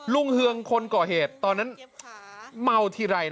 เฮืองคนก่อเหตุตอนนั้นเมาทีไร